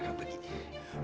buarin tante jauh